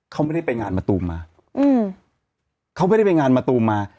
เขาไม่ได้ไปงานประตูมมา